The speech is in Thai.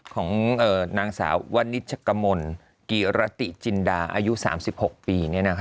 ของนางสาววันนิชกมลกิรติจินดาอายุ๓๖ปี